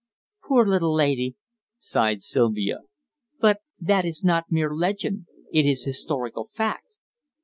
"Poor little lady!" sighed Sylvia. "But that is not mere legend: it is historical fact."